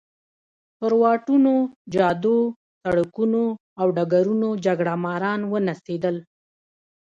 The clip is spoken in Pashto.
پر واټونو، جادو، سړکونو او ډګرونو جګړه ماران ونڅېدل.